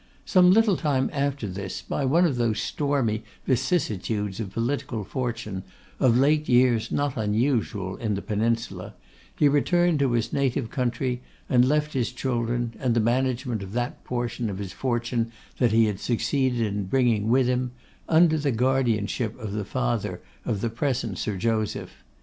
Some little time after this, by one of those stormy vicissitudes of political fortune, of late years not unusual in the Peninsula, he returned to his native country, and left his children, and the management of that portion of his fortune that he had succeeded in bringing with him, under the guardianship of the father of the present Sir Joseph.